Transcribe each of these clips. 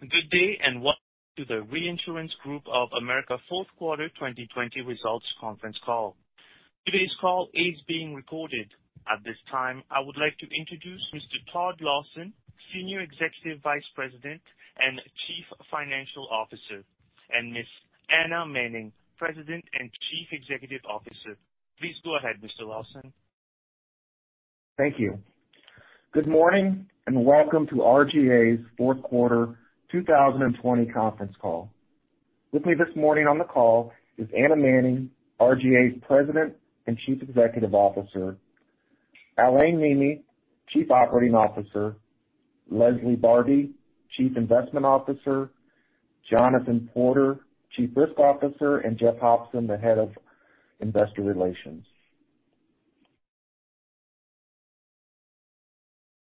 Good day, and welcome to the Reinsurance Group of America fourth quarter 2020 results conference call. Today's call is being recorded. At this time, I would like to introduce Mr. Todd Larson, Senior Executive Vice President and Chief Financial Officer, and Ms. Anna Manning, President and Chief Executive Officer. Please go ahead, Mr. Larson. Thank you. Good morning, and welcome to RGA's fourth quarter 2020 conference call. With me this morning on the call is Anna Manning, RGA's President and Chief Executive Officer, Alain Neemeh, Chief Operating Officer, Leslie Barbi, Chief Investment Officer, Jonathan Porter, Chief Risk Officer, and Jeff Hopson, the Head of Investor Relations.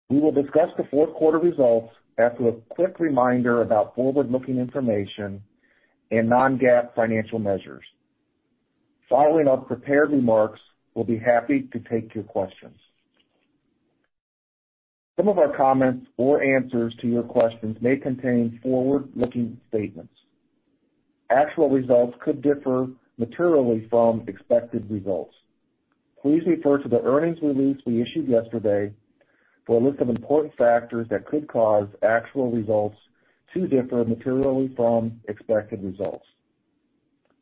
We will discuss the fourth quarter results after a quick reminder about forward-looking information and non-GAAP financial measures. Following our prepared remarks, we'll be happy to take your questions. Some of our comments or answers to your questions may contain forward-looking statements. Actual results could differ materially from expected results. Please refer to the earnings release we issued yesterday for a list of important factors that could cause actual results to differ materially from expected results.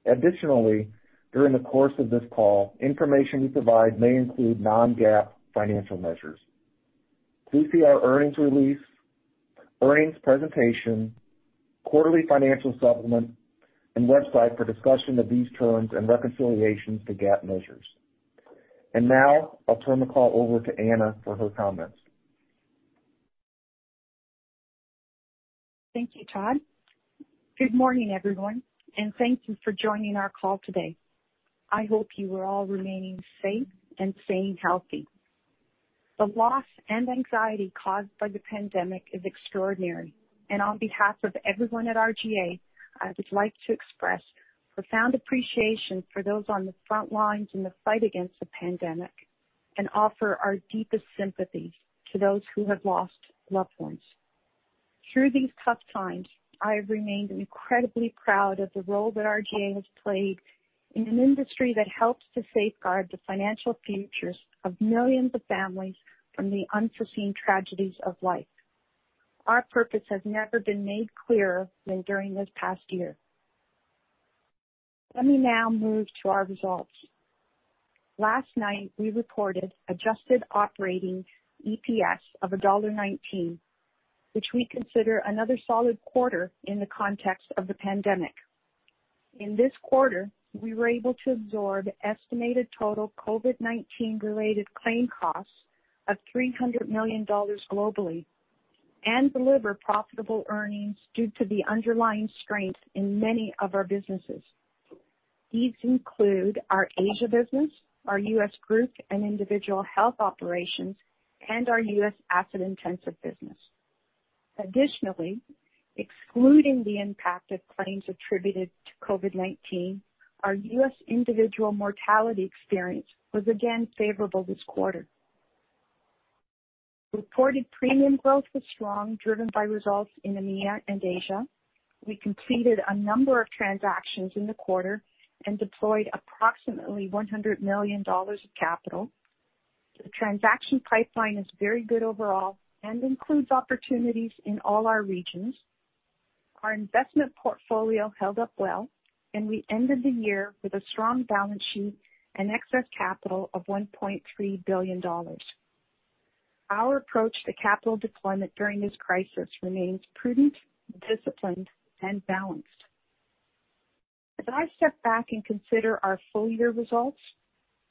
Additionally, during the course of this call, information we provide may include non-GAAP financial measures. Please see our earnings release, earnings presentation, quarterly financial supplement, and website for a discussion of these terms and reconciliations to GAAP measures. Now, I'll turn the call over to Anna for her comments. Thank you, Todd. Good morning, everyone. Thank you for joining our call today. I hope you are all remaining safe and staying healthy. The loss and anxiety caused by the pandemic is extraordinary. On behalf of everyone at RGA, I would like to express profound appreciation for those on the front lines in the fight against the pandemic and offer our deepest sympathy to those who have lost loved ones. Through these tough times, I have remained incredibly proud of the role that RGA has played in an industry that helps to safeguard the financial futures of millions of families from the unforeseen tragedies of life. Our purpose has never been made clearer than during this past year. Let me now move to our results. Last night, we reported adjusted operating EPS of $1.19, which we consider another solid quarter in the context of the. In this quarter, we were able to absorb estimated total COVID-19 related claim costs of $300 million globally and deliver profitable earnings due to the underlying strength in many of our businesses. These include our Asia business, our US Group and Individual Health operations, and our US Asset Intensive business. Additionally, excluding the impact of claims attributed to COVID-19, our US individual mortality experience was again favorable this quarter. Reported premium growth was strong, driven by results in EMEA and Asia. We completed a number of transactions in the quarter and deployed approximately $100 million of capital. The transaction pipeline is very good overall and includes opportunities in all our regions. Our investment portfolio held up well, and we ended the year with a strong balance sheet and excess capital of $1.3 billion. Our approach to capital deployment during this crisis remains prudent, disciplined, and balanced. As I step back and consider our full-year results,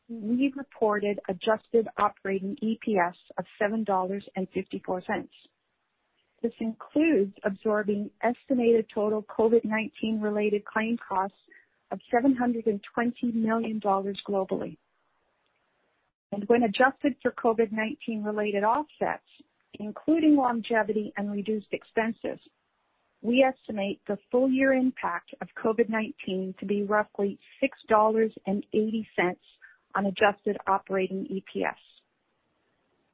we reported adjusted operating EPS of $7.54. This includes absorbing estimated total COVID-19 related claim costs of $720 million globally. When adjusted for COVID-19 related offsets, including longevity and reduced expenses, we estimate the full year impact of COVID-19 to be roughly $6.80 on adjusted operating EPS.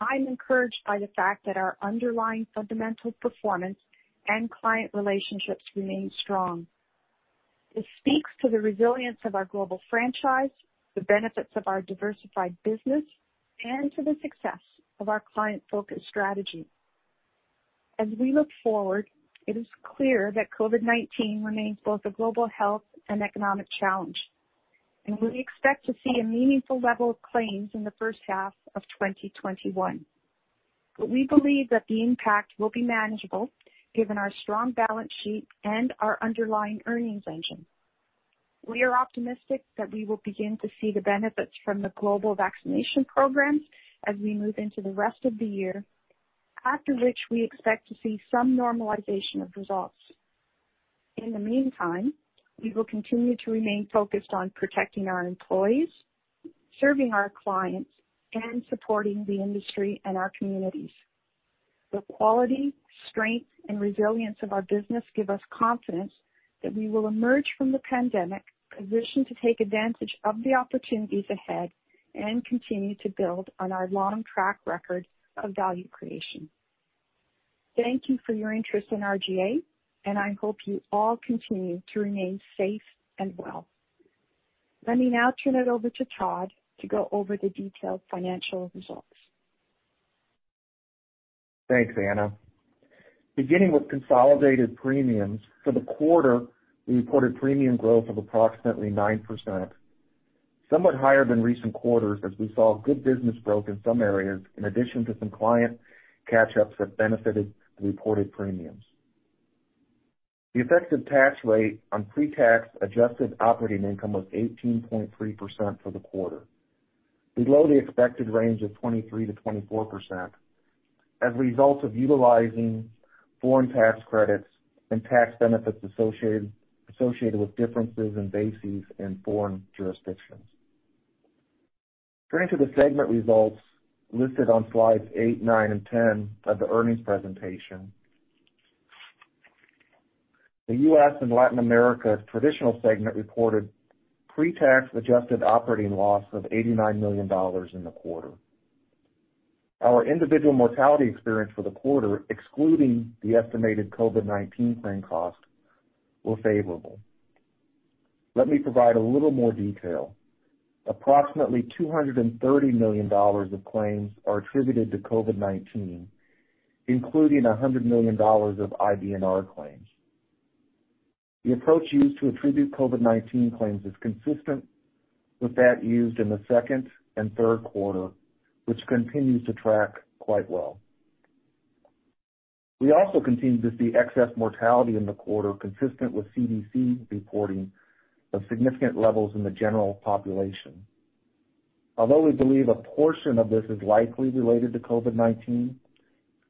I'm encouraged by the fact that our underlying fundamental performance and client relationships remain strong. This speaks to the resilience of our global franchise, the benefits of our diversified business, and to the success of our client-focused strategy. As we look forward, it is clear that COVID-19 remains both a global health and economic challenge, and we expect to see a meaningful level of claims in the first half of 2021. We believe that the impact will be manageable given our strong balance sheet and our underlying earnings engine. We are optimistic that we will begin to see the benefits from the global vaccination programs as we move into the rest of the year, after which we expect to see some normalization of results. In the meantime, we will continue to remain focused on protecting our employees, serving our clients, and supporting the industry and our communities. The quality, strength, and resilience of our business give us confidence that we will emerge from the pandemic positioned to take advantage of the opportunities ahead. Continue to build on our long track record of value creation. Thank you for your interest in RGA, and I hope you all continue to remain safe and well. Let me now turn it over to Todd to go over the detailed financial results. Thanks, Anna. Beginning with consolidated premiums, for the quarter, we reported premium growth of approximately 9%, somewhat higher than recent quarters as we saw good business growth in some areas, in addition to some client catch-ups that benefited the reported premiums. The effective tax rate on pre-tax adjusted operating income was 18.3% for the quarter, below the expected range of 23%-24%, as a result of utilizing foreign tax credits and tax benefits associated with differences in bases in foreign jurisdictions. Turning to the segment results listed on slides eight, nine, and 10 of the earnings presentation. The U.S. and Latin America Traditional segment reported pre-tax adjusted operating loss of $89 million in the quarter. Our individual mortality experience for the quarter, excluding the estimated COVID-19 claim costs, were favorable. Let me provide a little more detail. Approximately $230 million of claims are attributed to COVID-19, including $100 million of IBNR claims. The approach used to attribute COVID-19 claims is consistent with that used in the second and third quarter, which continues to track quite well. We also continue to see excess mortality in the quarter consistent with CDC reporting of significant levels in the general population. Although we believe a portion of this is likely related to COVID-19,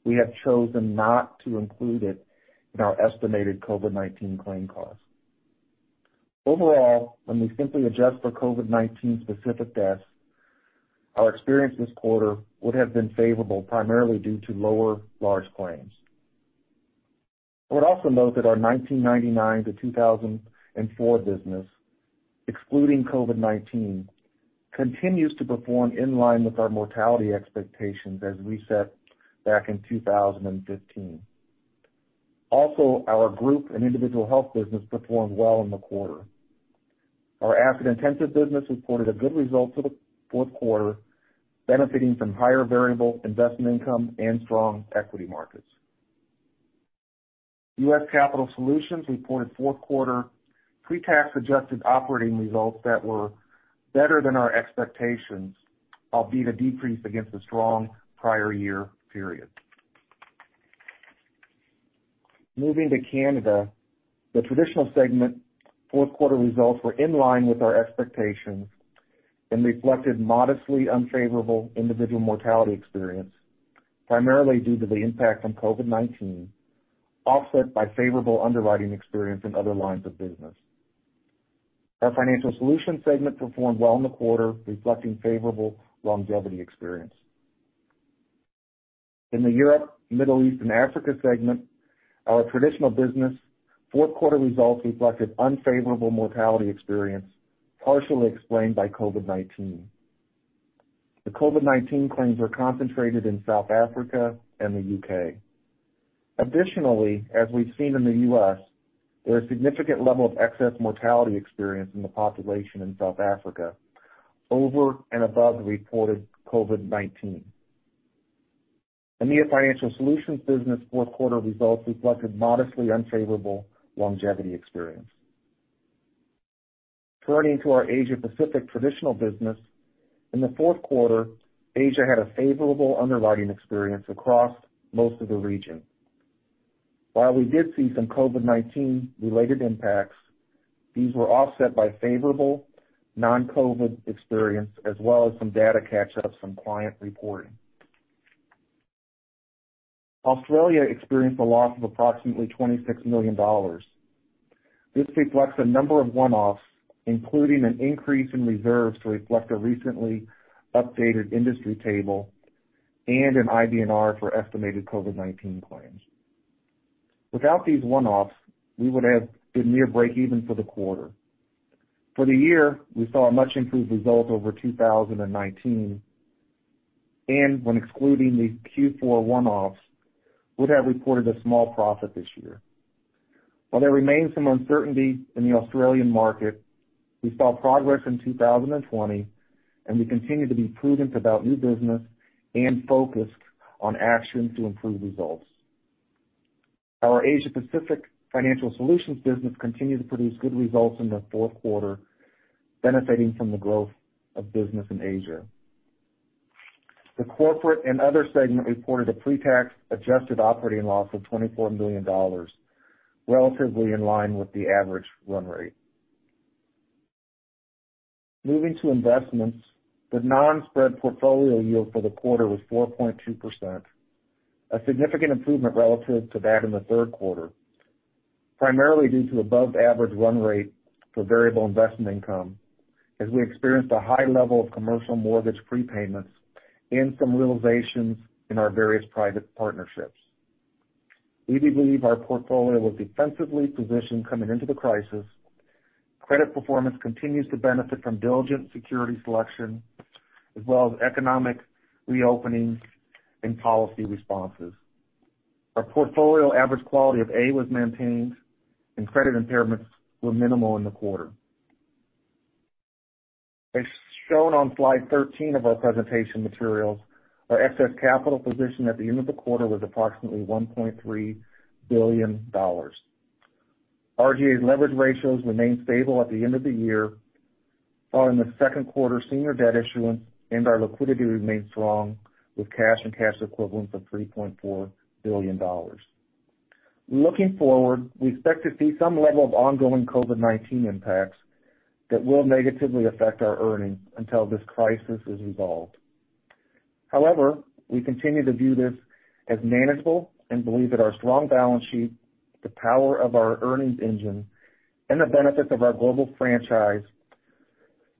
we have chosen not to include it in our estimated COVID-19 claim costs. Overall, when we simply adjust for COVID-19 specific deaths, our experience this quarter would have been favorable primarily due to lower large claims. I would also note that our 1999 to 2004 business, excluding COVID-19, continues to perform in line with our mortality expectations as we set back in 2015. Also, our Group and Individual Health business performed well in the quarter. Our asset-intensive business reported a good result for the fourth quarter, benefiting from higher variable investment income and strong equity markets. U.S. Capital Solutions reported fourth quarter pre-tax adjusted operating results that were better than our expectations, albeit a decrease against the strong prior year period. Moving to Canada, the Traditional segment fourth quarter results were in line with our expectations and reflected modestly unfavorable individual mortality experience, primarily due to the impact from COVID-19, offset by favorable underwriting experience in other lines of business. Our Financial Solutions segment performed well in the quarter, reflecting favorable longevity experience. In the Europe, Middle East, and Africa segment, our Traditional business fourth quarter results reflected unfavorable mortality experience, partially explained by COVID-19. The COVID-19 claims were concentrated in South Africa and the U.K. Additionally, as we've seen in the U.S., there is significant level of excess mortality experience in the population in South Africa over and above reported COVID-19. EMEA Financial Solutions business fourth quarter results reflected modestly unfavorable longevity experience. Turning to our Asia Pacific Traditional business, in the fourth quarter, Asia had a favorable underwriting experience across most of the region. We did see some COVID-19 related impacts, these were offset by favorable non-COVID experience as well as some data catch-up from client reporting. Australia experienced a loss of approximately $26 million. This reflects a number of one-offs, including an increase in reserves to reflect a recently updated industry table and an IBNR for estimated COVID-19 claims. Without these one-offs, we would have been near breakeven for the quarter. For the year, we saw a much improved result over 2019, and when excluding the Q4 one-offs, would have reported a small profit this year. While there remains some uncertainty in the Australian market, we saw progress in 2020, and we continue to be prudent about new business and focused on actions to improve results. Our Asia Pacific Financial Solutions business continued to produce good results in the fourth quarter, benefiting from the growth of business in Asia. The Corporate and Other segment reported a pre-tax adjusted operating loss of $24 million, relatively in line with the average run rate. Moving to investments, the non-spread portfolio yield for the quarter was 4.2%, a significant improvement relative to that in the third quarter, primarily due to above average run rate for variable investment income as we experienced a high level of commercial mortgage prepayments and some realizations in our various private partnerships. We do believe our portfolio was defensively positioned coming into the crisis. Credit performance continues to benefit from diligent security selection, as well as economic reopenings and policy responses. Our portfolio average quality of A was maintained, and credit impairments were minimal in the quarter. As shown on slide 13 of our presentation materials, our excess capital position at the end of the quarter was approximately $1.3 billion. RGA's leverage ratios remained stable at the end of the year, following the second quarter senior debt issuance, and our liquidity remains strong with cash and cash equivalents of $3.4 billion. Looking forward, we expect to see some level of ongoing COVID-19 impacts that will negatively affect our earnings until this crisis is resolved. We continue to view this as manageable and believe that our strong balance sheet, the power of our earnings engine, and the benefits of our global franchise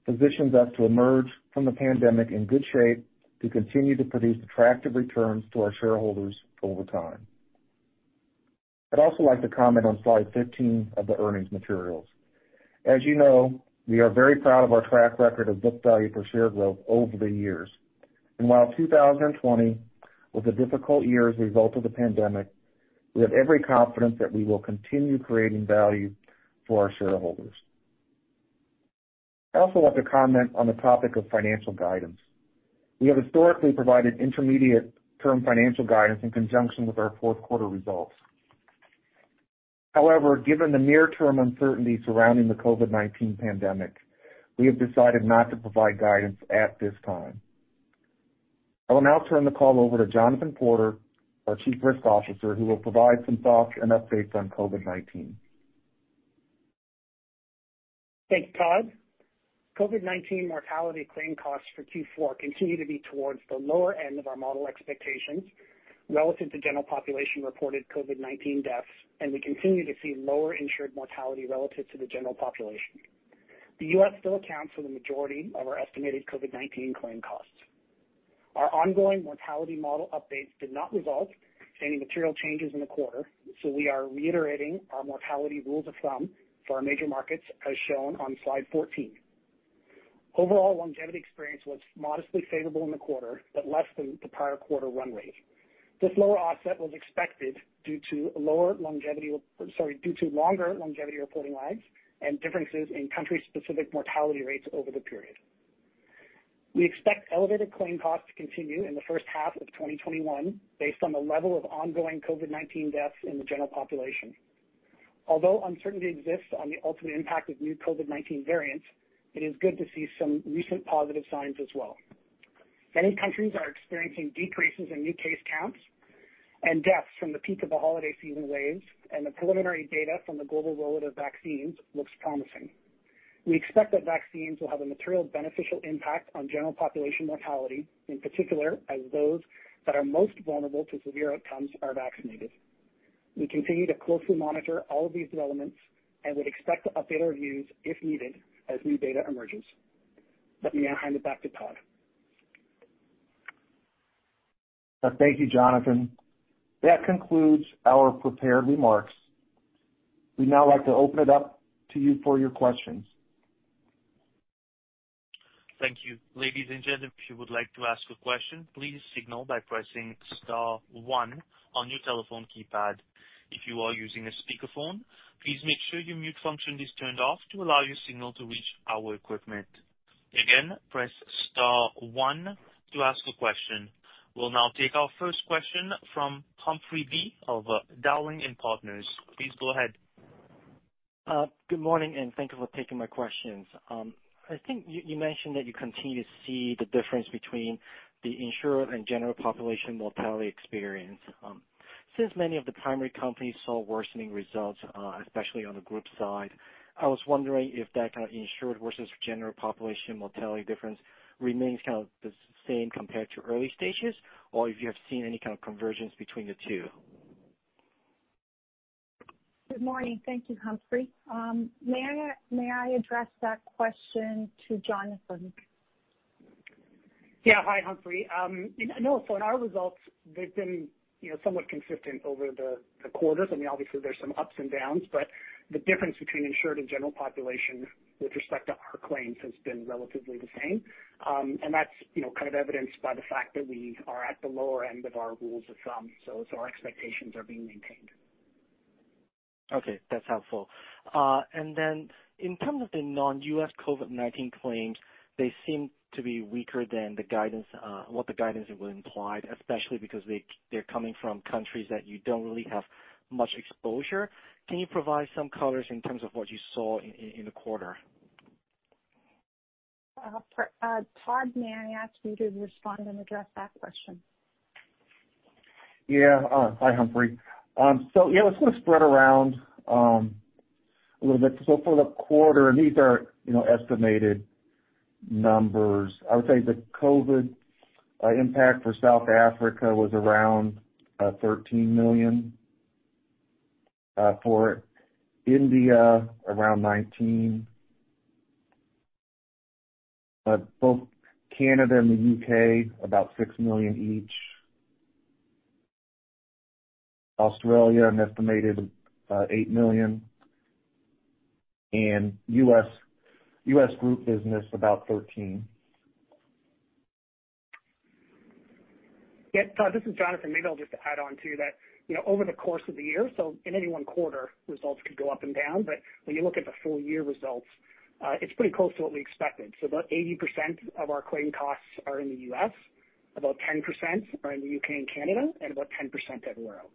positions us to emerge from the pandemic in good shape to continue to produce attractive returns to our shareholders over time. I'd also like to comment on slide 15 of the earnings materials. As you know, we are very proud of our track record of book value per share growth over the years. While 2020 was a difficult year as a result of the pandemic, we have every confidence that we will continue creating value for our shareholders. I'd also like to comment on the topic of financial guidance. We have historically provided intermediate-term financial guidance in conjunction with our fourth quarter results. Given the near-term uncertainty surrounding the COVID-19 pandemic, we have decided not to provide guidance at this time. I will now turn the call over to Jonathan Porter, our Chief Risk Officer, who will provide some thoughts and updates on COVID-19. Thanks, Todd. COVID-19 mortality claim costs for Q4 continue to be towards the lower end of our model expectations relative to general population-reported COVID-19 deaths, and we continue to see lower insured mortality relative to the general population. The U.S. still accounts for the majority of our estimated COVID-19 claim costs. Our ongoing mortality model updates did not result in any material changes in the quarter, so we are reiterating our mortality rules of thumb for our major markets as shown on slide 14. Overall longevity experience was modestly favorable in the quarter, but less than the prior quarter run rate. This lower offset was expected due to longer longevity reporting lags and differences in country-specific mortality rates over the period. We expect elevated claim costs to continue in the first half of 2021 based on the level of ongoing COVID-19 deaths in the general population. Although uncertainty exists on the ultimate impact of new COVID-19 variants, it is good to see some recent positive signs as well. Many countries are experiencing decreases in new case counts and deaths from the peak of the holiday season waves, and the preliminary data from the global rollout of vaccines looks promising. We expect that vaccines will have a material beneficial impact on general population mortality, in particular, as those that are most vulnerable to severe outcomes are vaccinated. We continue to closely monitor all of these developments and would expect to update our views if needed as new data emerges. Let me now hand it back to Todd. Thank you, Jonathan. That concludes our prepared remarks. We'd now like to open it up to you for your questions. Thank you. Ladies and gentlemen, if you would like to ask a question, please signal by pressing star one on your telephone keypad. If you are using a speakerphone, please make sure your mute function is turned off to allow your signal to reach our equipment. Again, press star one to ask a question. We will now take our first question from Humphrey Lee of Dowling & Partners. Please go ahead. Good morning. Thank you for taking my questions. I think you mentioned that you continue to see the difference between the insured and general population mortality experience. Since many of the primary companies saw worsening results, especially on the group side, I was wondering if that kind of insured versus general population mortality difference remains kind of the same compared to early stages, or if you have seen any kind of convergence between the two? Good morning. Thank you, Humphrey. May I address that question to Jonathan? Yeah. Hi, Humphrey. No, in our results, they've been somewhat consistent over the quarters. I mean, obviously, there's some ups and downs, the difference between insured and general population with respect to our claims has been relatively the same. That's kind of evidenced by the fact that we are at the lower end of our rules of thumb. Our expectations are being maintained. Okay, that's helpful. In terms of the non-U.S. COVID-19 claims, they seem to be weaker than what the guidance implied, especially because they're coming from countries that you don't really have much exposure. Can you provide some color in terms of what you saw in the quarter? Todd, may I ask you to respond and address that question? Yeah. Hi, Humphrey. Yeah, let's sort of spread around a little bit. For the quarter, and these are estimated numbers. I would say the COVID impact for South Africa was around $13 million. For India, around $19 million, but both Canada and the U.K., about $6 million each. Australia, an estimated $8 million, and U.S. Group business about $13 million. Yeah, Todd, this is Jonathan. Maybe I'll just add on to that. Over the course of the year, in any one quarter, results could go up and down. When you look at the full-year results, it's pretty close to what we expected. About 80% of our claim costs are in the U.S., about 10% are in the U.K. and Canada, and about 10% everywhere else.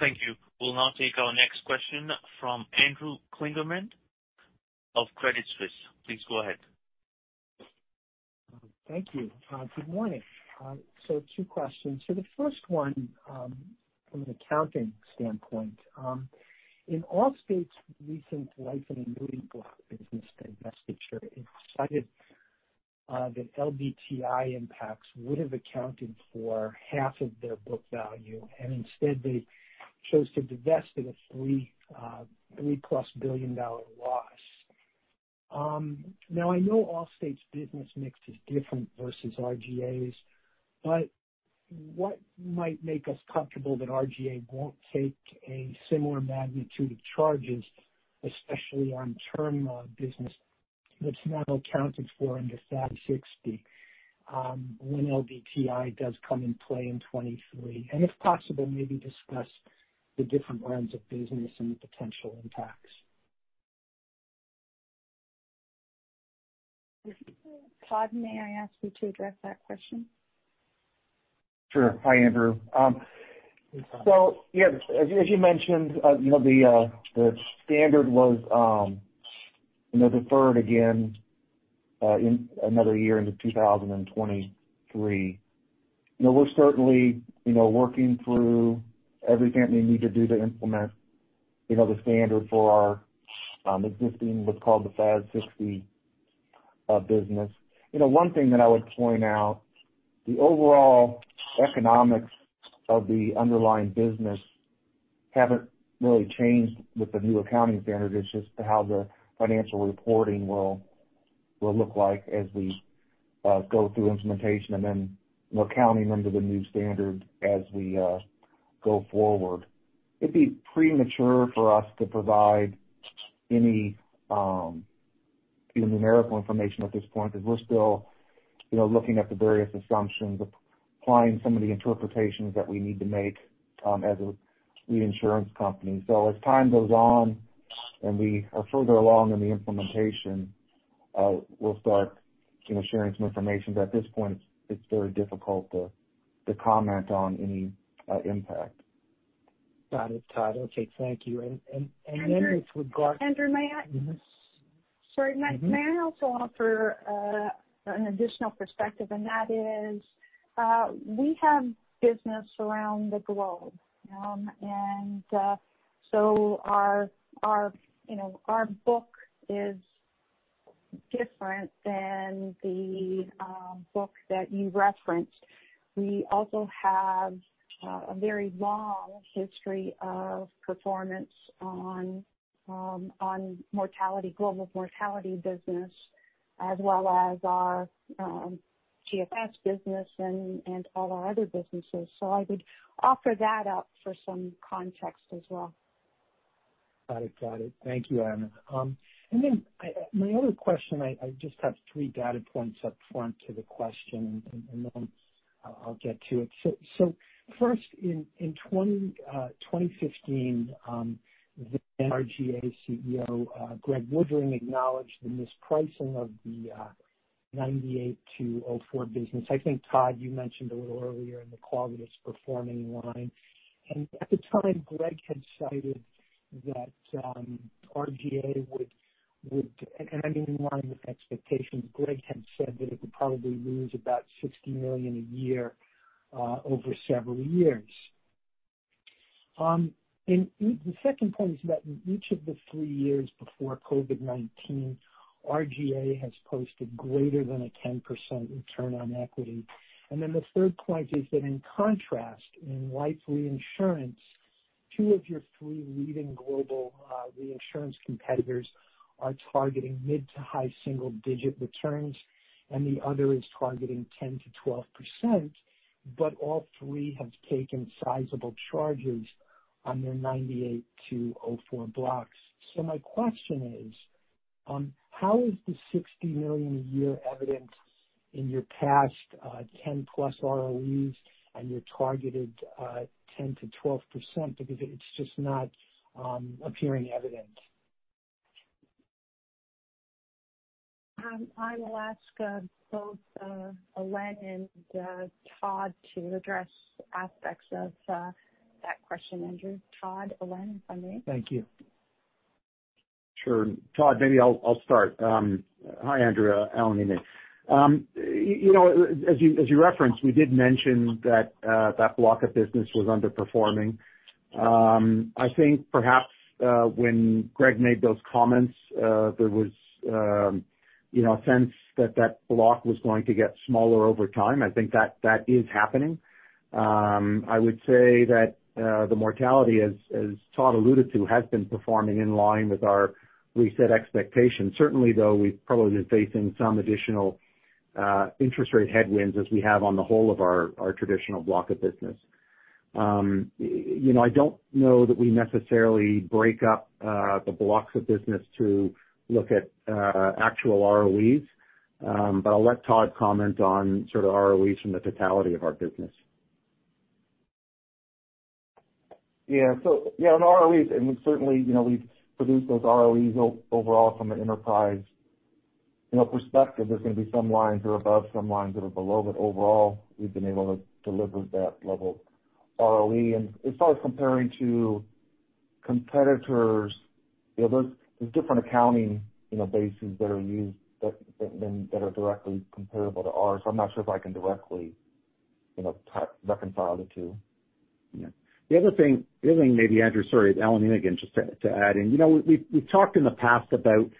Thank you. We'll now take our next question from Andrew Kligerman of Credit Suisse. Please go ahead. Thank you. Good morning. Two questions. The first one, from an accounting standpoint. In Allstate's recent life and annuity block business divestiture, it cited that LDTI impacts would have accounted for half of their book value, and instead, they chose to divest at a $3+ billion loss. I know Allstate's business mix is different versus RGA's, but what might make us comfortable that RGA won't take a similar magnitude of charges, especially on term business, which now accounted for in the FAS 60 when LDTI does come in play in 2023? If possible, maybe discuss the different lines of business and the potential impacts. Todd, may I ask you to address that question? Sure. Hi, Andrew. Hi. Yeah, as you mentioned, the standard was deferred again in another year into 2023. We're certainly working through everything we need to do to implement the standard for our existing, what's called the FAS 60 business. One thing that I would point out, the overall economics of the underlying business haven't really changed with the new accounting standard. It's just how the financial reporting will look like as we go through implementation and then accounting under the new standard as we go forward. It'd be premature for us to provide any numerical information at this point because we're still looking at the various assumptions, applying some of the interpretations that we need to make as a reinsurance company. As time goes on and we are further along in the implementation, we'll start sharing some information. At this point, it's very difficult to comment on any impact. Got it, Todd. Okay. Thank you. Andrew, may I? Yes. Sorry, may I also offer an additional perspective? That is, we have business around the globe. Our book is different than the book that you referenced. We also have a very long history of performance on global mortality business as well as our GFS business and all our other businesses. I would offer that up for some context as well. Got it. Thank you, Anna. My other question, I just have three data points up front to the question, then I'll get to it. First, in 2015, the RGA CEO, Greig Woodring, acknowledged the mispricing of the 1998 to 2004 business. I think, Todd, you mentioned a little earlier in the quarter it's performing line. At the time, Greig had cited that RGA would, and in line with expectations, Greig had said that it would probably lose about $60 million a year over several years. The second point is that in each of the three years before COVID-19, RGA has posted greater than a 10% return on equity. The third point is that in contrast, in life reinsurance, two of your three leading global reinsurance competitors are targeting mid to high single-digit returns. All three have taken sizable charges on their 1998-2004 blocks. My question is, how is the $60 million a year evident in your past 10+ ROEs and your targeted 10%-12% because it is just not appearing evident? I will ask both Alain and Todd to address aspects of that question, Andrew. Todd, Alain, if I may. Thank you. Sure. Todd, maybe I'll start. Hi, Andrew. Alain Neemeh. As you referenced, we did mention that that block of business was underperforming. I think perhaps when Greig Woodring made those comments, there was a sense that that block was going to get smaller over time. I think that is happening. I would say that the mortality, as Todd alluded to, has been performing in line with our reset expectations. Certainly, though, we probably are facing some additional interest rate headwinds as we have on the whole of our traditional block of business. I don't know that we necessarily break up the blocks of business to look at actual ROEs, but I'll let Todd comment on sort of ROEs from the totality of our business. Yeah. On ROEs, we've produced those ROEs overall from an enterprise perspective. There's going to be some lines that are above, some lines that are below, but overall, we've been able to deliver that level of ROE. As far as comparing to competitors, there's different accounting bases that are used that are directly comparable to ours. I'm not sure if I can directly reconcile the two. Yeah. The other thing maybe, Andrew, sorry, Alain, again, just to add in. We've talked in the past about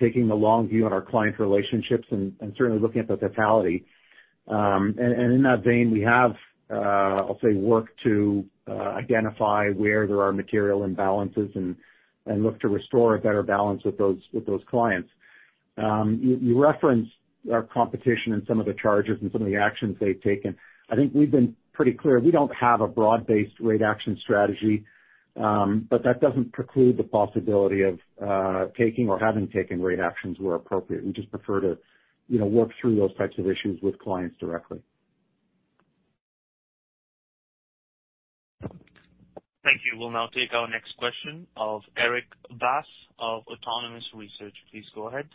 taking the long view on our client relationships and certainly looking at the totality. In that vein, we have, I'll say, work to identify where there are material imbalances and look to restore a better balance with those clients. You referenced our competition and some of the charges and some of the actions they've taken. I think we've been pretty clear we don't have a broad-based rate action strategy, but that doesn't preclude the possibility of taking or having taken rate actions where appropriate. We just prefer to work through those types of issues with clients directly. Thank you. We'll now take our next question of Erik Bass of Autonomous Research. Please go ahead.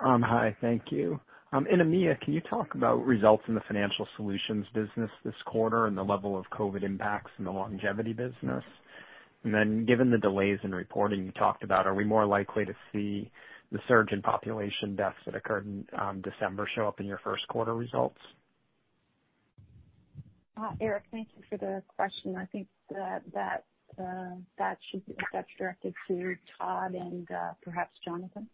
Hi. Thank you. In EMEA, can you talk about results in the Financial Solutions business this quarter and the level of COVID impacts in the longevity business? Given the delays in reporting you talked about, are we more likely to see the surge in population deaths that occurred in December show up in your first quarter results? Erik, thank you for the question. I think that should be, if that's directed to Todd and perhaps Jonathan.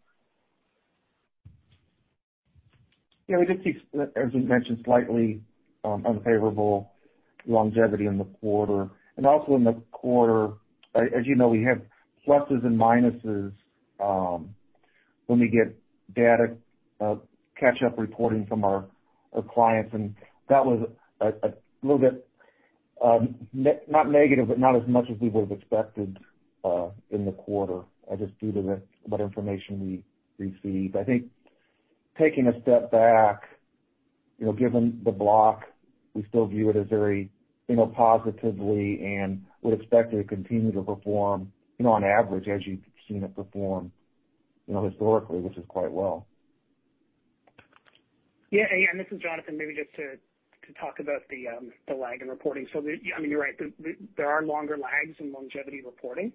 Yeah, we did see, as we mentioned, slightly unfavorable longevity in the quarter. Also in the quarter, as you know, we have pluses and minuses when we get data catch-up reporting from our clients, and that was a little bit, not negative, but not as much as we would have expected in the quarter just due to what information we received. I think taking a step back, given the block, we still view it as very positively and would expect it to continue to perform on average as you've seen it perform historically, which is quite well. Yeah. This is Jonathan, maybe just to talk about the lag in reporting. You're right. There are longer lags in longevity reporting,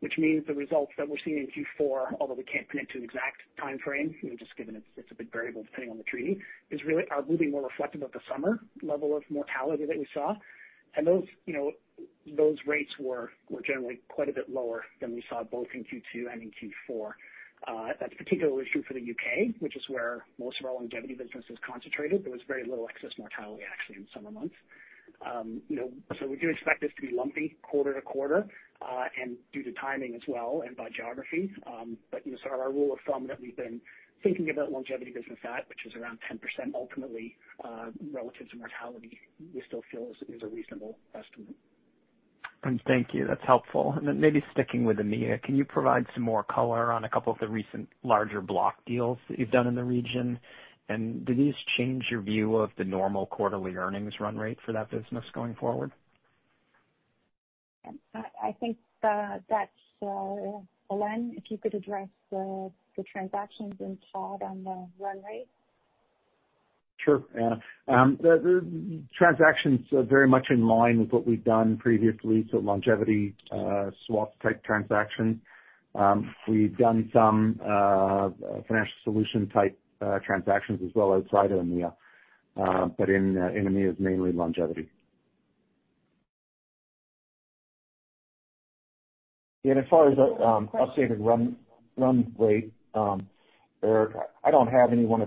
which means the results that we're seeing in Q4, although we can't pin it to an exact timeframe, just given it's a big variable depending on the treaty, are really more reflective of the summer level of mortality that we saw. Those rates were generally quite a bit lower than we saw both in Q2 and in Q4. That's particularly true for the U.K., which is where most of our longevity business is concentrated. There was very little excess mortality actually in summer months. We do expect this to be lumpy quarter to quarter, and due to timing as well and by geography. Sort of our rule of thumb that we've been thinking about longevity business at, which is around 10% ultimately relative to mortality, we still feel is a reasonable estimate. Thank you. That's helpful. Maybe sticking with EMEA, can you provide some more color on a couple of the recent larger block deals that you've done in the region? Do these change your view of the normal quarterly earnings run rate for that business going forward? I think that's Alain, if you could address the transactions, and Todd on the run rate. Sure. Anna. The transactions are very much in line with what we've done previously. Longevity swaps type transaction. We've done some Financial Solutions type transactions as well outside of EMEA, but in EMEA it's mainly longevity. As far as updated run rate, Erik, I don't have any one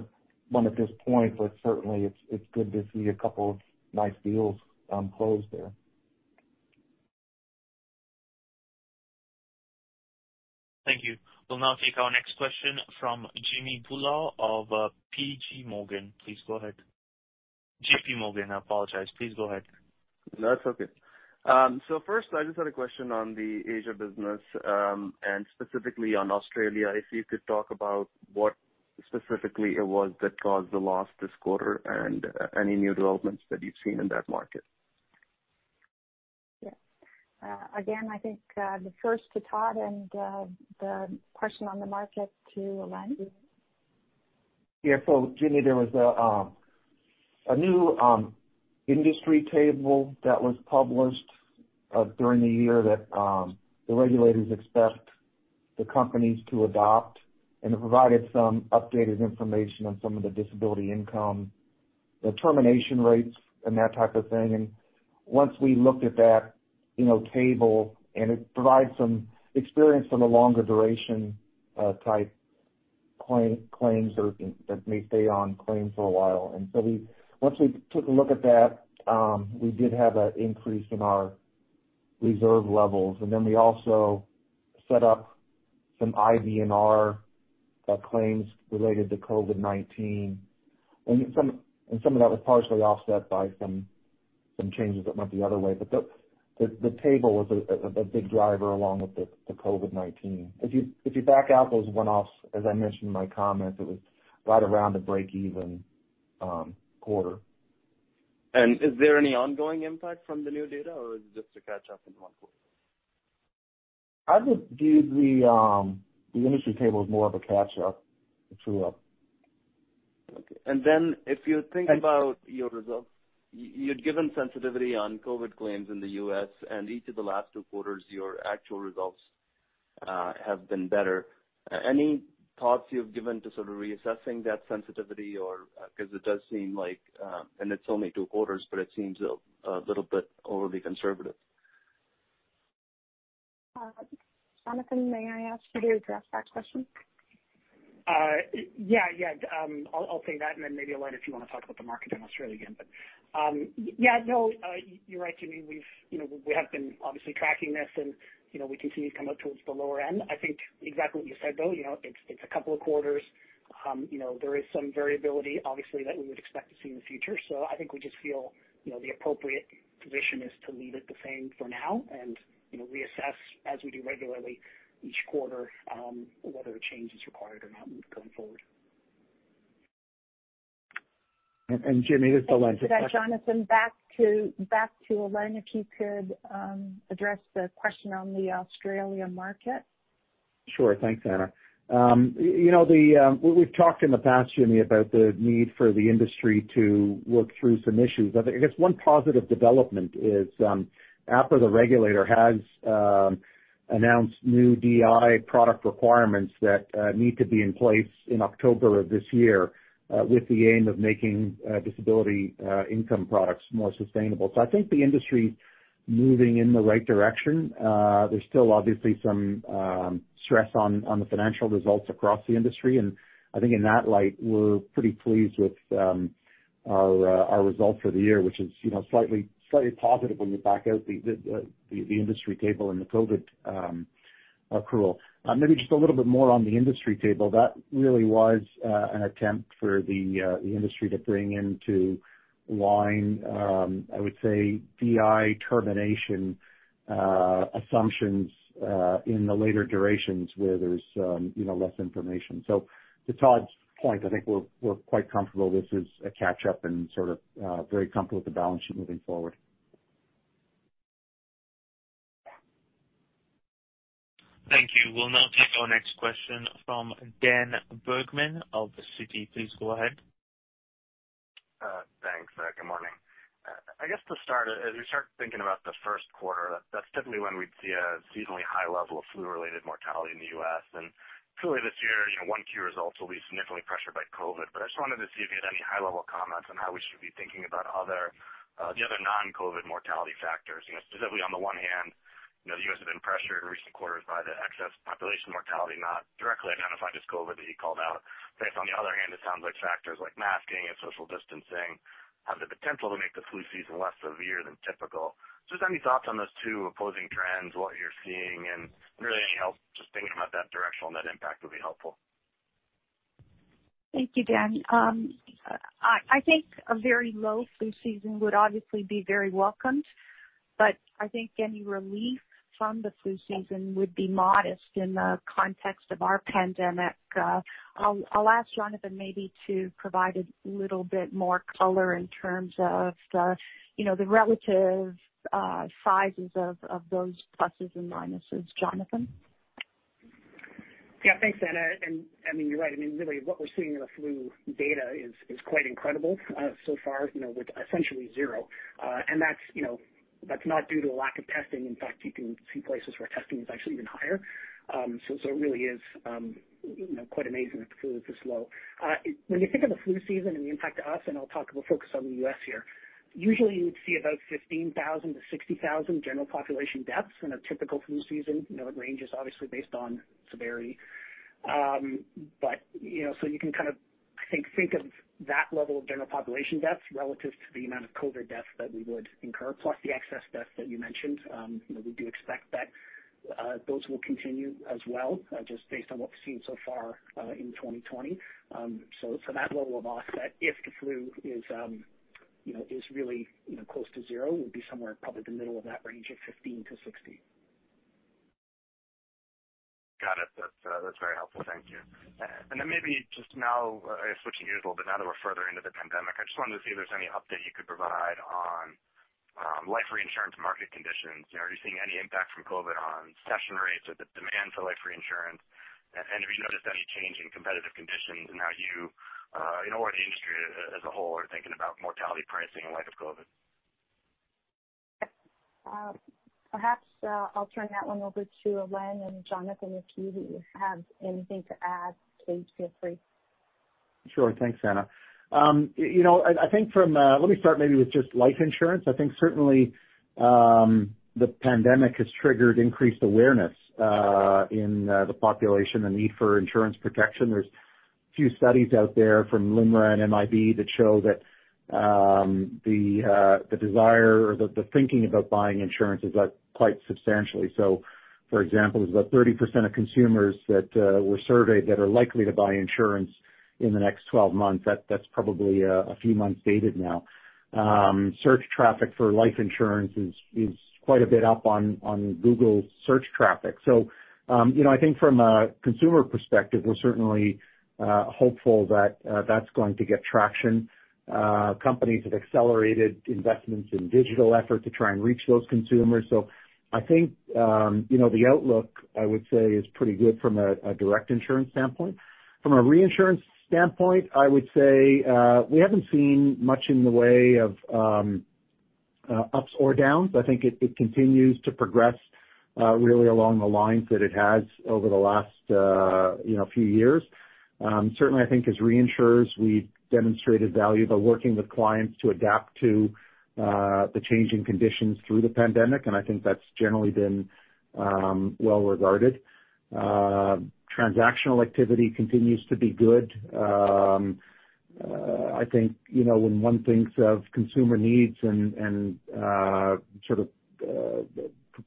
at this point, but certainly it's good to see a couple of nice deals closed there. Thank you. We'll now take our next question from Jimmy Bhullar of JPMorgan. Please go ahead. JPMorgan, I apologize. Please go ahead. No, that's okay. First, I just had a question on the Asia business, and specifically on Australia. If you could talk about what specifically it was that caused the loss this quarter and any new developments that you've seen in that market. Yes. I think the first to Todd and the question on the market to Alain. Yeah. Jimmy, there was a new industry table that was published during the year that the regulators expect the companies to adopt and have provided some updated information on some of the disability income The termination rates and that type of thing. Once we looked at that table, and it provides some experience from a longer duration type claims that may stay on claim for a while. Once we took a look at that, we did have an increase in our reserve levels. We also set up some IBNR claims related to COVID-19, and some of that was partially offset by some changes that went the other way, but the table was a big driver along with the COVID-19. If you back out those one-offs, as I mentioned in my comments, it was right around a break-even quarter. Is there any ongoing impact from the new data, or is it just a catch-up in one quarter? I would view the industry table as more of a catch-up, a true-up. Okay. If you think about your results, you'd given sensitivity on COVID claims in the U.S., Each of the last two quarters, your actual results have been better. Any thoughts you've given to sort of reassessing that sensitivity? It does seem like, and it's only two quarters, but it seems a little bit overly conservative. Jonathan, may I ask you to address that question? Yeah. I'll take that, and then maybe, Alain, if you want to talk about the market in Australia again. Yeah, no, you're right, Jimmy, we have been obviously tracking this, and we can see it come up towards the lower end. I think exactly what you said, though, it's a couple of quarters. There is some variability, obviously, that we would expect to see in the future. I think we just feel the appropriate position is to leave it the same for now and reassess as we do regularly each quarter, whether a change is required or not going forward. Jimmy, this is Alain. Jonathan, back to Alain, if you could address the question on the Australia market. Sure. Thanks, Anna. We've talked in the past, Jimmy, about the need for the industry to work through some issues. I guess one positive development is APRA, the regulator, has announced new DI product requirements that need to be in place in October of this year, with the aim of making disability income products more sustainable. I think the industry moving in the right direction. There's still obviously some stress on the financial results across the industry, and I think in that light, we're pretty pleased with our results for the year, which is slightly positive when you back out the industry table and the COVID accrual. Maybe just a little bit more on the industry table. That really was an attempt for the industry to bring into line, I would say, DI termination assumptions in the later durations where there's less information. To Todd's point, I think we're quite comfortable this is a catch-up and sort of very comfortable with the balance sheet moving forward. Thank you. We'll now take our next question from Dan Bergman of Citi. Please go ahead. Thanks. Good morning. I guess to start, as we start thinking about the first quarter, that's typically when we'd see a seasonally high level of flu-related mortality in the U.S. Clearly this year, 1Q results will be significantly pressured by COVID, I just wanted to see if you had any high-level comments on how we should be thinking about the other non-COVID mortality factors. Specifically, on the one hand, the U.S. has been pressured in recent quarters by the excess population mortality not directly identified as COVID that you called out. If on the other hand, it sounds like factors like masking and social distancing have the potential to make the flu season less severe than typical. Just any thoughts on those two opposing trends, what you're seeing, and really any help just thinking about that direction on that impact would be helpful. Thank you, Dan. I think a very low flu season would obviously be very welcomed, I think any relief from the flu season would be modest in the context of our pandemic. I'll ask Jonathan maybe to provide a little bit more color in terms of the relative sizes of those pluses and minuses. Jonathan? Thanks, Anna. You're right. Really, what we're seeing in the flu data is quite incredible so far with essentially zero. That's not due to a lack of testing. In fact, you can see places where testing is actually even higher. It really is quite amazing that the flu is this low. When you think of the flu season and the impact to us, and I'll talk with a focus on the U.S. here, usually you would see about 15,000 to 60,000 general population deaths in a typical flu season. It ranges obviously based on severity. You can kind of, I think of that level of general population deaths relative to the amount of COVID deaths that we would incur, plus the excess deaths that you mentioned. We do expect that those will continue as well, just based on what we've seen so far in 2020. For that level of offset, if the flu is really close to zero, would be somewhere probably the middle of that range of 15-60. Got it. That's very helpful. Thank you. Maybe just now, switching gears a little bit now that we're further into the pandemic, I just wanted to see if there's any update you could provide on life reinsurance market conditions. Are you seeing any impact from COVID on cession rates or the demand for life reinsurance? Have you noticed any change in competitive conditions and how you or the industry as a whole are thinking about mortality pricing in light of COVID? Perhaps I'll turn that one over to Alain and Jonathan. If you have anything to add, please feel free. Sure. Thanks, Anna. Let me start maybe with just life insurance. I think certainly, the pandemic has triggered increased awareness in the population, the need for insurance protection. There's a few studies out there from LIMRA and MIB that show that the desire or the thinking about buying insurance is up quite substantially. For example, there's about 30% of consumers that were surveyed that are likely to buy insurance in the next 12 months. That's probably a few months dated now. Search traffic for life insurance is quite a bit up on Google search traffic. I think from a consumer perspective, we're certainly hopeful that that's going to get traction. Companies have accelerated investments in digital effort to try and reach those consumers. I think the outlook, I would say, is pretty good from a direct insurance standpoint. From a reinsurance standpoint, I would say we haven't seen much in the way of ups or downs. I think it continues to progress really along the lines that it has over the last few years. Certainly, I think as reinsurers, we've demonstrated value by working with clients to adapt to the changing conditions through the pandemic, and I think that's generally been well regarded. Transactional activity continues to be good. I think when one thinks of consumer needs and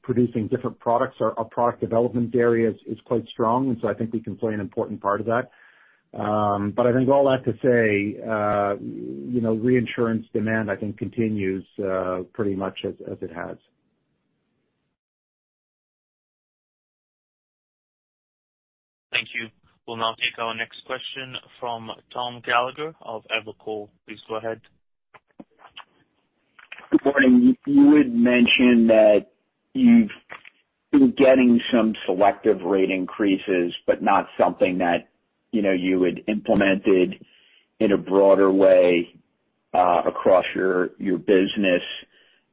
producing different products, our product development area is quite strong. I think we can play an important part of that. I think all that to say, reinsurance demand, I think, continues pretty much as it has. Thank you. We'll now take our next question from Tom Gallagher of Evercore. Please go ahead. Good morning. You had mentioned that you've been getting some selective rate increases but not something that you had implemented in a broader way across your business.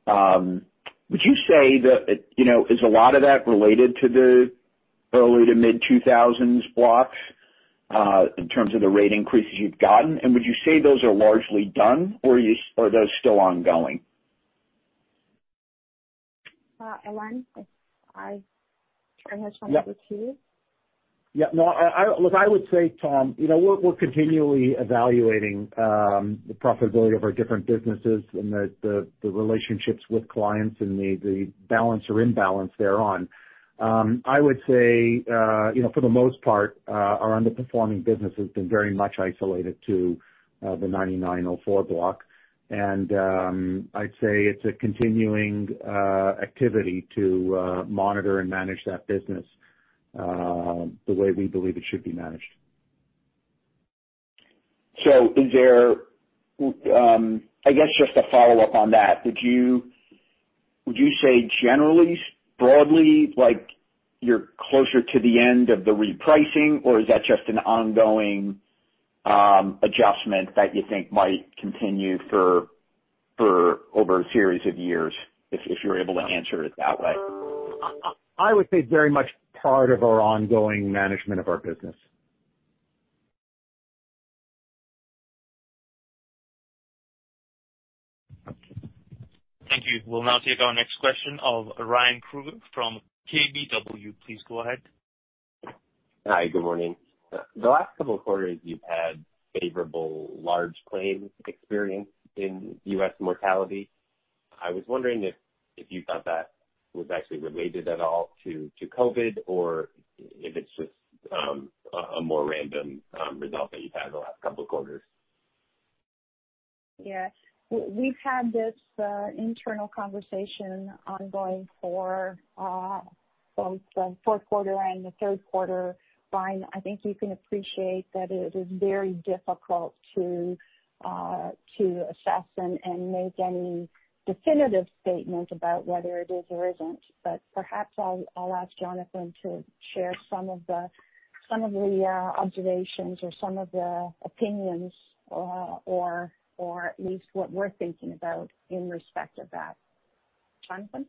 Would you say that is a lot of that related to the early to mid-2000s blocks, in terms of the rate increases you've gotten? Would you say those are largely done, or are those still ongoing? Alain, I hand it over to you. Yeah. Look, I would say, Tom, we're continually evaluating the profitability of our different businesses and the relationships with clients and the balance or imbalance thereon. I would say, for the most part, our underperforming business has been very much isolated to the 9904 block. I'd say it's a continuing activity to monitor and manage that business the way we believe it should be managed. I guess just a follow-up on that. Would you say generally, broadly, you're closer to the end of the repricing, or is that just an ongoing adjustment that you think might continue for over a series of years? If you're able to answer it that way. I would say it's very much part of our ongoing management of our business. Thank you. We'll now take our next question of Ryan Krueger from KBW. Please go ahead. Hi, good morning. The last couple of quarters you've had favorable large claim experience in U.S. mortality. I was wondering if you thought that was actually related at all to COVID or if it's just a more random result that you've had in the last couple of quarters. We've had this internal conversation ongoing for both the fourth quarter and the third quarter. Ryan, I think you can appreciate that it is very difficult to assess and make any definitive statement about whether it is or isn't. Perhaps I'll ask Jonathan to share some of the observations or some of the opinions, or at least what we're thinking about in respect of that. Jonathan?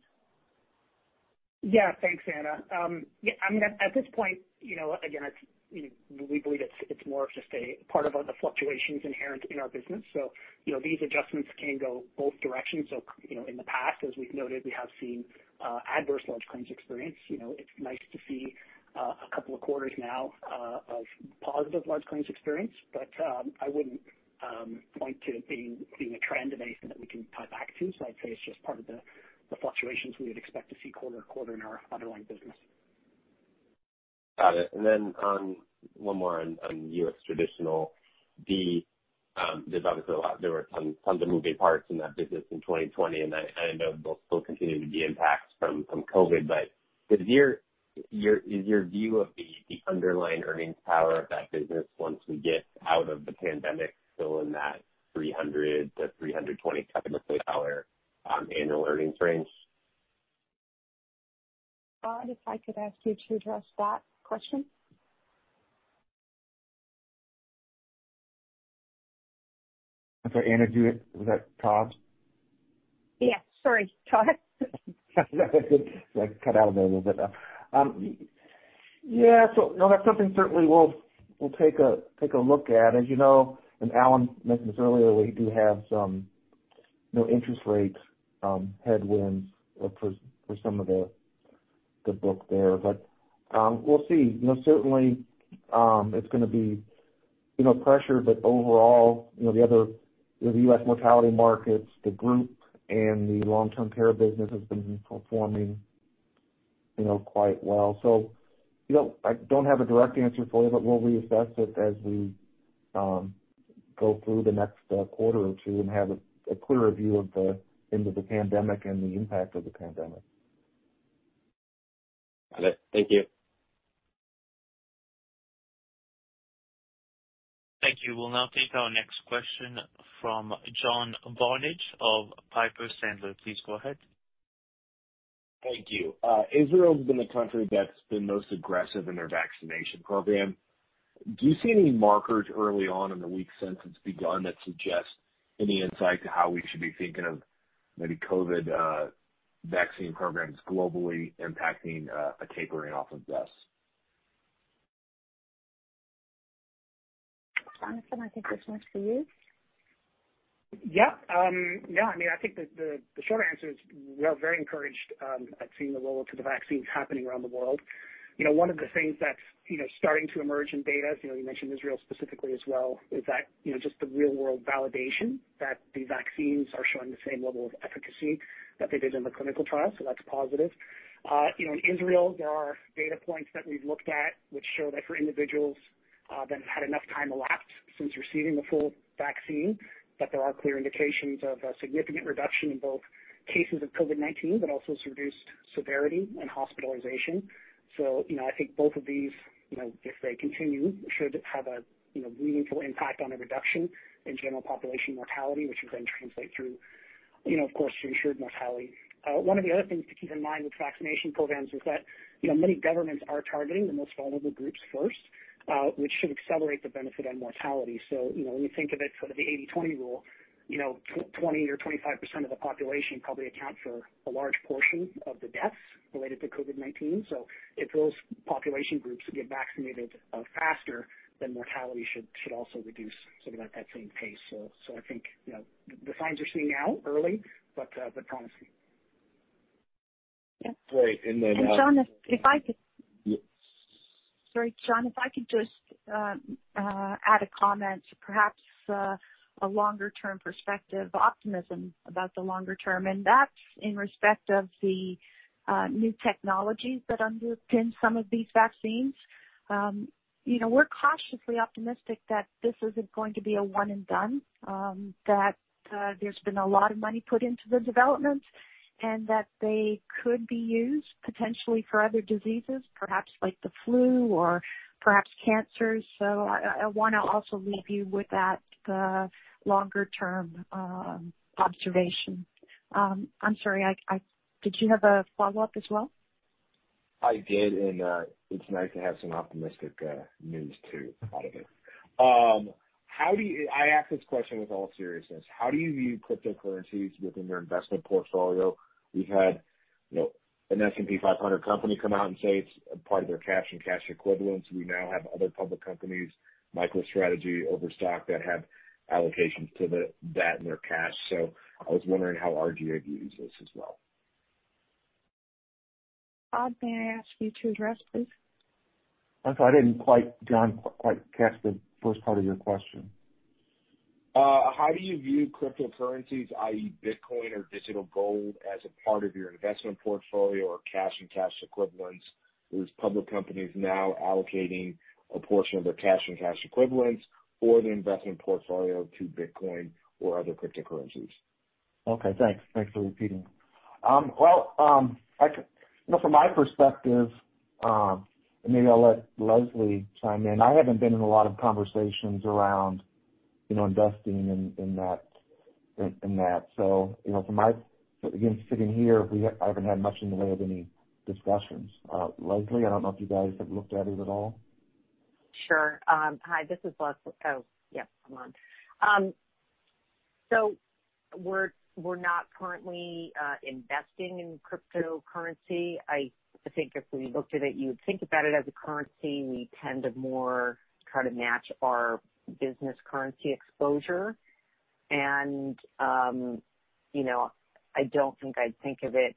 Yeah. Thanks, Anna. At this point, again, we believe it's more of just a part of the fluctuations inherent in our business. These adjustments can go both directions. In the past, as we've noted, we have seen adverse large claims experience. It's nice to see a couple of quarters now of positive large claims experience. I wouldn't point to it being a trend or anything that we can tie back to. I'd say it's just part of the fluctuations we would expect to see quarter-to-quarter in our underlying business. Got it. One more on U.S. Traditional. There were some moving parts in that business in 2020, and I know they'll still continue to be impacts from COVID-19, but is your view of the underlying earnings power of that business once we get out of the pandemic still in that $300-$320 type of annual earnings range? Todd, if I could ask you to address that question. For Anna [Dewitt], was that Todd? Yeah. Sorry, Todd. I cut out there a little bit. Yeah. That's something certainly we'll take a look at. As you know, and Alain mentioned this earlier, we do have some interest rate headwinds for some of the book there. We'll see. Certainly, it's going to be pressure, but overall the other U.S. mortality markets, the group, and the long-term care business has been performing quite well. I don't have a direct answer for you, but we'll reassess it as we go through the next quarter or two and have a clearer view of the end of the pandemic and the impact of the pandemic. Got it. Thank you. Thank you. We'll now take our next question from John Barnidge of Piper Sandler. Please go ahead. Thank you. Israel has been the country that's been most aggressive in their vaccination program. Do you see any markers early on in the weeks since it's begun that suggest any insight to how we should be thinking of maybe COVID vaccine programs globally impacting a tapering off of deaths? Jonathan, I think this one's for you. Yeah. I think the short answer is we are very encouraged at seeing the rollout to the vaccines happening around the world. One of the things that's starting to emerge in data, you mentioned Israel specifically as well, is that just the real-world validation that the vaccines are showing the same level of efficacy that they did in the clinical trials. That's positive. In Israel, there are data points that we've looked at which show that for individuals that have had enough time elapsed since receiving the full vaccine, that there are clear indications of a significant reduction in both cases of COVID-19, but also some reduced severity and hospitalization. I think both of these, if they continue, should have a meaningful impact on a reduction in general population mortality, which is going to translate through, of course, to insured mortality. One of the other things to keep in mind with vaccination programs is that many governments are targeting the most vulnerable groups first, which should accelerate the benefit on mortality. When you think of it, sort of the 80/20 rule, 20% or 25% of the population probably account for a large portion of the deaths related to COVID-19. If those population groups get vaccinated faster, then mortality should also reduce sort of at that same pace. I think the signs we're seeing now early, but promising. Yeah. Great. John, if I could. Y- Sorry, John, if I could just add a comment, perhaps a longer-term perspective optimism about the longer term, and that's in respect of the new technologies that underpin some of these vaccines. We're cautiously optimistic that this isn't going to be a one and done, that there's been a lot of money put into the development, and that they could be used potentially for other diseases, perhaps like the flu or perhaps cancer. I want to also leave you with that longer-term observation. I'm sorry, did you have a follow-up as well? I did, and it's nice to have some optimistic news too, out of it. I ask this question with all seriousness: how do you view cryptocurrencies within your investment portfolio? We've had an S&P 500 company come out and say it's part of their cash and cash equivalents. We now have other public companies, MicroStrategy, Overstock, that have allocations to that in their cash. I was wondering how RGA views this as well. Todd, may I ask you to address, please? I'm sorry, John, I didn't quite catch the first part of your question. How do you view cryptocurrencies, i.e., Bitcoin or digital gold, as a part of your investment portfolio or cash and cash equivalents? There's public companies now allocating a portion of their cash and cash equivalents or their investment portfolio to Bitcoin or other cryptocurrencies. Okay, thanks. Thanks for repeating. Well, from my perspective, and maybe I'll let Leslie chime in, I haven't been in a lot of conversations around investing in that. From my, again, sitting here, I haven't had much in the way of any discussions. Leslie, I don't know if you guys have looked at it at all. Sure. Hi, this is Les. Oh, yeah, I'm on. We're not currently investing in cryptocurrency. I think if we looked at it, you would think about it as a currency. We tend to more try to match our business currency exposure. I don't think I'd think of it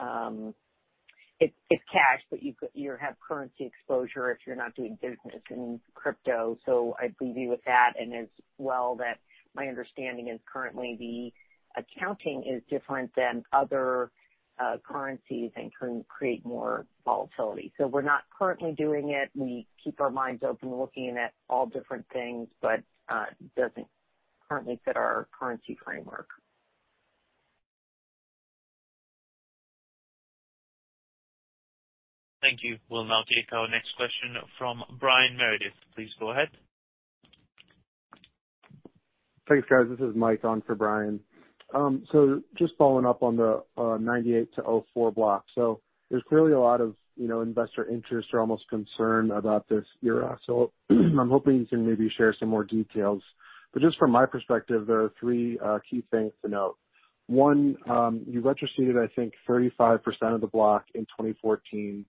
as cash, but you have currency exposure if you're not doing business in crypto. I'd leave you with that. As well that my understanding is currently the accounting is different than other currencies and can create more volatility. We're not currently doing it. We keep our minds open looking at all different things, but doesn't currently fit our currency framework. Thank you. We'll now take our next question from Brian Meredith. Please go ahead. Thanks, guys. This is Mike on for Brian. Just following up on the 1998 to 2004 block. There's clearly a lot of investor interest or almost concern about this era. I'm hoping you can maybe share some more details. Just from my perspective, there are three key things to note. One, you retroceded, I think, 35% of the block in 2014.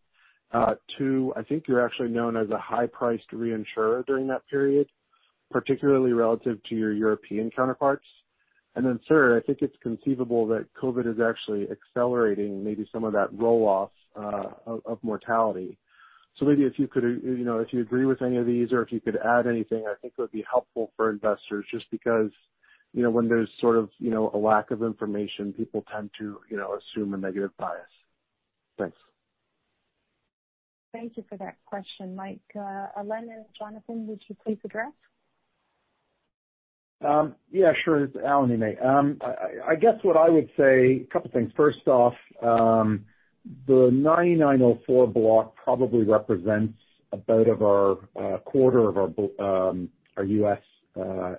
Two, I think you're actually known as a high-priced reinsurer during that period, particularly relative to your European counterparts. Third, I think it's conceivable that COVID-19 is actually accelerating maybe some of that roll-off of mortality. Maybe if you agree with any of these, or if you could add anything, I think it would be helpful for investors just because when there's sort of a lack of information, people tend to assume a negative bias. Thanks. Thank you for that question, Mike. Alain or Jonathan, would you please address? Yeah, sure. It's Alain Neemeh. I guess what I would say, a couple of things. First off, the 1999 to 2004 block probably represents about a quarter of our U.S.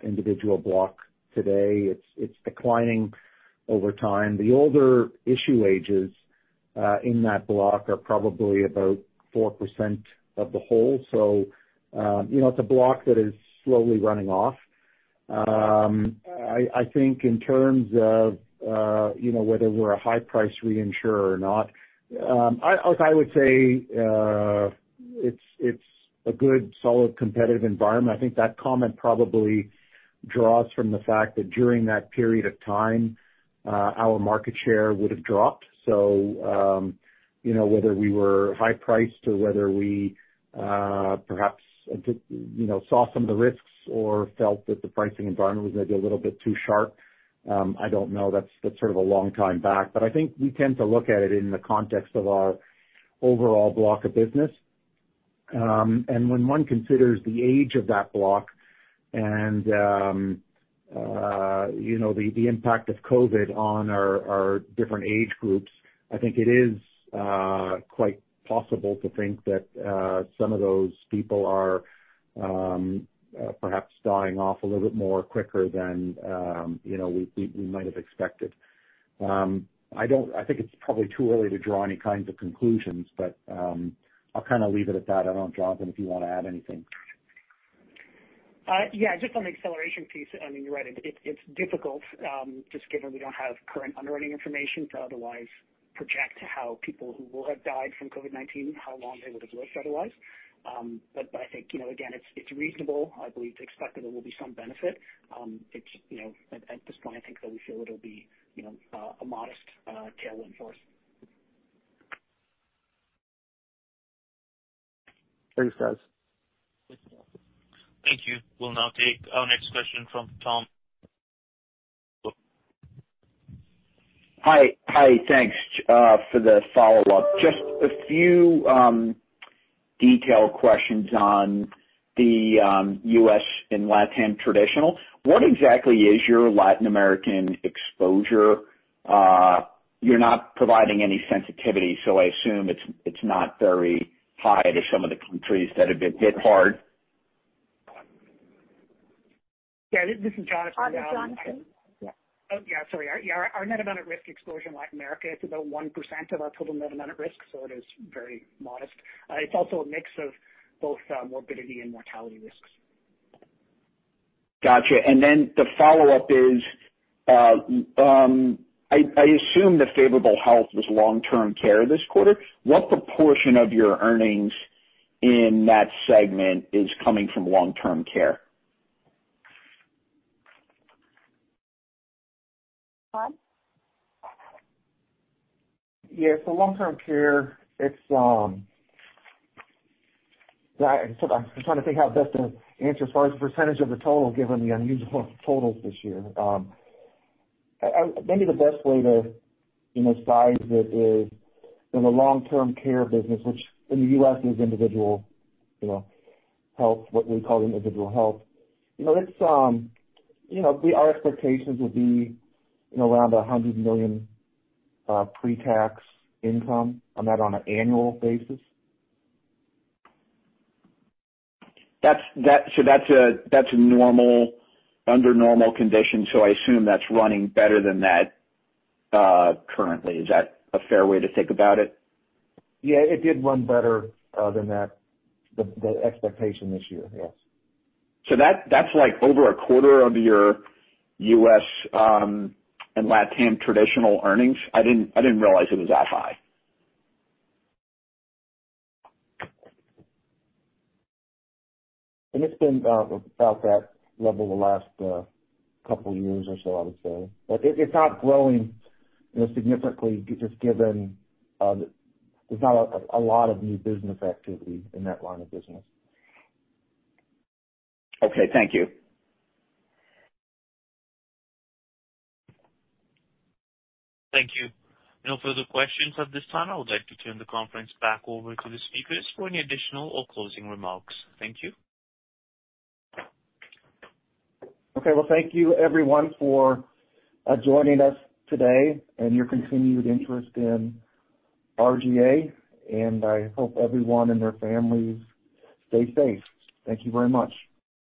individual block today. It's declining over time. The older issue ages, in that block are probably about 4% of the whole. It's a block that is slowly running off. I think in terms of whether we're a high-price reinsurer or not, I would say it's a good solid competitive environment. I think that comment probably draws from the fact that during that period of time, our market share would have dropped. Whether we were high-priced or whether we perhaps saw some of the risks or felt that the pricing environment was maybe a little bit too sharp, I don't know. That's sort of a long time back, but I think we tend to look at it in the context of our overall block of business. When one considers the age of that block and the impact of COVID on our different age groups, I think it is quite possible to think that some of those people are perhaps dying off a little bit quicker than we might have expected. I think it's probably too early to draw any kinds of conclusions, but, I'll kind of leave it at that. I don't know, Jonathan, if you want to add anything. Yeah, just on the acceleration piece, I mean, you're right. It's difficult, just given we don't have current underwriting information to otherwise project how people who will have died from COVID-19, how long they would have lived otherwise. I think, again, it's reasonable, I believe, to expect that there will be some benefit. At this point, I think that we feel it'll be a modest tailwind for us. Thanks, guys. Thank you. We'll now take our next question from Tom. Hi. Thanks for the follow-up. Just a few detail questions on the U.S. and LatAm Traditional. What exactly is your Latin American exposure? You're not providing any sensitivity, so I assume it's not very high to some of the countries that have been hit hard. Yeah, this is Jonathan. Jonathan. Yeah. Sorry. Our net amount at risk exposure in Latin America is about 1% of our total net amount at risk, so it is very modest. It's also a mix of both morbidity and mortality risks. Got you. The follow-up is, I assume the favorable health was long-term care this quarter. What proportion of your earnings in that segment is coming from long-term care? Tom? Yeah. long-term care, I'm trying to think how best to answer as far as percentage of the total, given the unusual totals this year. Maybe the best way to size it is in the long-term care business, which in the U.S. is individual health, what we call individual health. Our expectations would be around $100 million pre-tax income on that on an annual basis. That's under normal conditions, so I assume that's running better than that currently. Is that a fair way to think about it? It did run better than the expectation this year. Yes. That's like over a quarter of your U.S. and LatAm Traditional earnings? I didn't realize it was that high. It's been about that level the last couple of years or so, I would say. It's not growing significantly, just given there's not a lot of new business activity in that line of business. Okay. Thank you. Thank you. No further questions at this time. I would like to turn the conference back over to the speakers for any additional or closing remarks. Thank you. Okay. Well, thank you everyone for joining us today and your continued interest in RGA, and I hope everyone and their their families stay safe. Thank you very much.